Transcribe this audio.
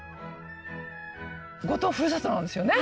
五島ふるさとなんですよね？